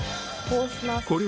こうします。